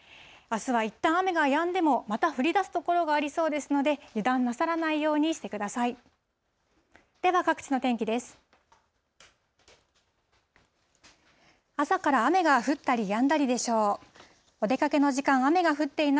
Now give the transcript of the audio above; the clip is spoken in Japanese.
あすはいったん雨がやんでも、また降りだす所がありそうですので、油断なさらないようにしてください。